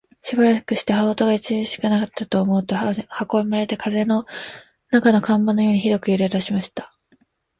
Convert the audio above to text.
しばらくして、羽音が烈しくなったかと思うと、箱はまるで風の中の看板のようにひどく揺れだしました。